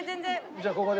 じゃあここで。